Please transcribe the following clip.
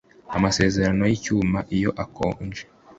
Amasezerano yicyuma iyo akonje